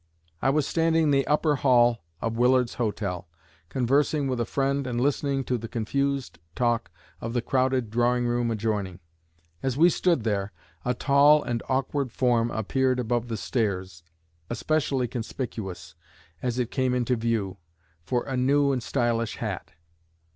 I was standing in the upper hall of Willard's Hotel, conversing with a friend and listening to the confused talk of the crowded drawing room adjoining. As we stood there, a tall and awkward form appeared above the stairs, especially conspicuous, as it came into view, for a new and stylish hat.